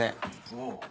おう。